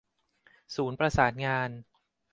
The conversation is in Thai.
ศูนย์ประสานงาน